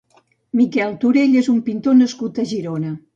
Miquel Torell és un pintor nascut a Girona.